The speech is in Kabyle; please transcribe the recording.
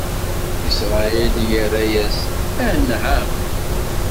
Isṛayil irra-yas: Anɛam!